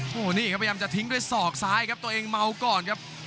โอ้โหนี่ครับพยายามจะทิ้งด้วยศอกซ้ายครับตัวเองเมาก่อนครับ